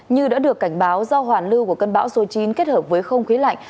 như đã được cảnh báo do hoàn lưu của cơn bão số chín kết hợp với không khí lạnh